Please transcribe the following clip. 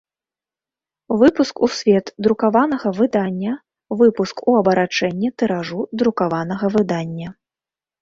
Выпуск у свет друкаванага выдання – выпуск у абарачэнне тыражу друкаванага выдання.